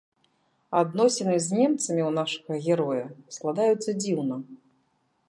Адносіны з немцамі ў нашага героя складаюцца дзіўна.